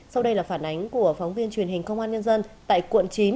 sau đây là phản ánh của phóng viên truyền hình công an nhân dân tại quận chín